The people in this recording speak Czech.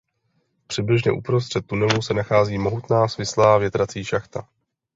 Přibližně uprostřed tunelu se nachází mohutná svislá větrací šachta.